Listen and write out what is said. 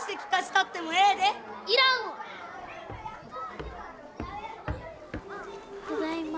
ただいま。